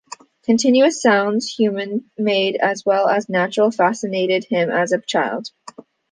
Continuous sounds-human-made as well as natural-fascinated him as a child.